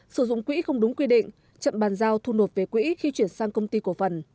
sử dụng quỹ không đúng quy định chậm bàn giao thu nộp về quỹ khi chuyển sang công ty cổ phần